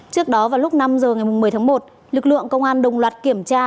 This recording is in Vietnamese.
trước đó vào lúc năm h ngày một mươi tháng một lực lượng công an đồng loạt kiểm tra